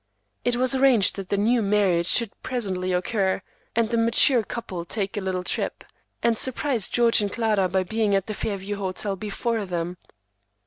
It was arranged that the new marriage should presently occur, and the mature couple take a little trip, and surprise George and Clara by being at the Fairview Hotel before them.